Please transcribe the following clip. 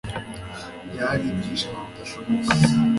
byari ibyishimo bidashoboka